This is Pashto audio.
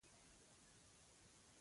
انګلیسي د هوايي چلند ژبه ده